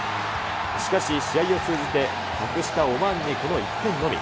しかし、試合を通じて、格下オマーンにこの１点のみ。